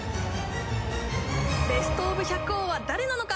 ベストオブ百王は誰なのか？